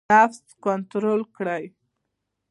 نفس کنټرول کړئ